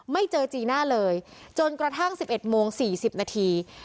ไม่เจอจีน่าเลยจนกระทั่งสิบเอ็ดโมงสี่สิบนาที